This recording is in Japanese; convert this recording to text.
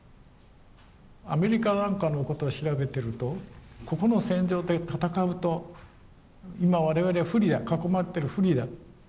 アメリカなんかのことを調べてるとここの戦場で戦うと今我々は不利だ囲まれてる不利だ。